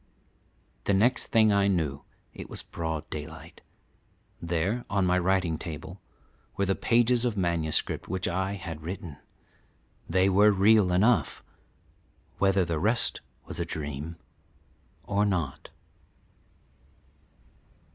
The next thing I knew it was broad daylight. There, on my writing table, were the pages of manuscript which I had written. They were real enough, whether the rest was a dream or not.